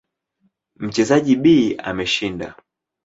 Mchezaji B ameshinda.